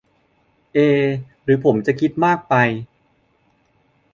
เอ หรือผมจะคิดมากไป